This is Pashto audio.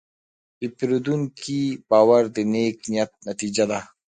د پیرودونکي باور د نیک نیت نتیجه ده.